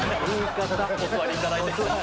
「お座りいただいて」。